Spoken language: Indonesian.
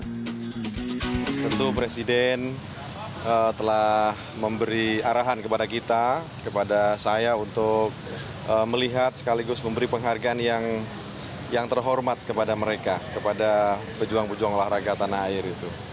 tentu presiden telah memberi arahan kepada kita kepada saya untuk melihat sekaligus memberi penghargaan yang terhormat kepada mereka kepada pejuang pejuang olahraga tanah air itu